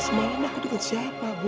semuanya aku dikecewa bu